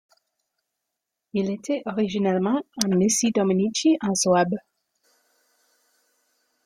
Il était originellement un missi dominici en Souabe.